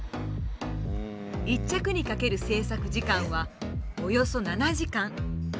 １着にかける制作時間はおよそ７時間。